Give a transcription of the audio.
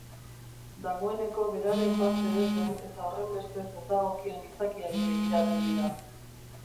Dagoeneko beraren parte ez den eta horrenbestez ez dagokion izakiari begiratu dio.